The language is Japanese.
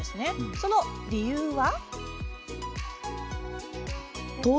その理由は。